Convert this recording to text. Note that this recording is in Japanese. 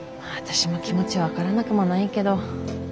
まあ私も気持ち分からなくもないけど。